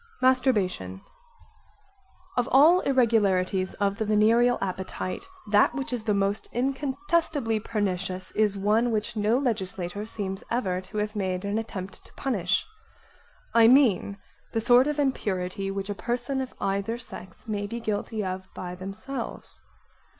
Masturbation Of all irregularities of the venereal appetite, that which is the most incontestably pernicious is one which no legislator seems ever to have made an attempt to punish. I mean the sort of impurity which a person of either sex may be guilty of by themselves.